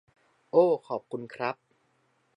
โอ้ขอบคุณครับ